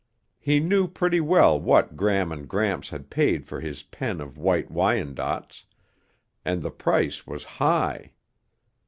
He knew pretty well what Gram and Gramps had paid for his pen of White Wyandottes, and the price was high.